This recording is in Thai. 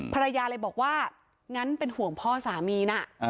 ภรรยาเลยบอกว่างั้นเป็นห่วงพ่อสามีนะ